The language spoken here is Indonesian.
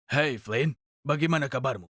hei flynn bagaimana kabarmu